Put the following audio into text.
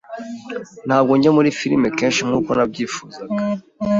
Ntabwo njya muri firime kenshi nkuko nabyifuzaga.